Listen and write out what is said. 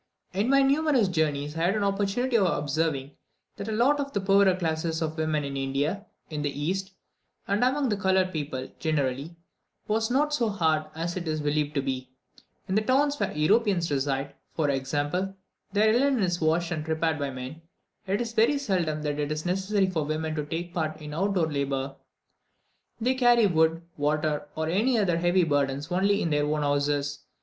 In my numerous journeys, I had an opportunity of observing that the lot of the poorer classes of women in India, in the East, and among coloured people generally, was not so hard as it is believed to be. In the towns where Europeans reside, for example, their linen is washed and prepared by men; it is very seldom that it is necessary for women to take part in out door labour; they carry wood, water, or any other heavy burdens only in their own houses.